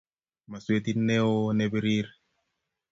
Maswetit ne o ne birir.